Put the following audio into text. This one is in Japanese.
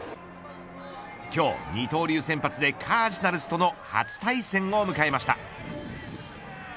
今日、二刀流先発でカージナルスとの初対戦を迎えました。